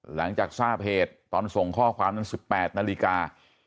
หลังจากทราบเหตุตอนส่งข้อความนั้น๑๘นาฬิกา